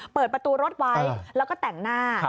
เปิดประตูรถไว้แล้วก็แต่งหน้า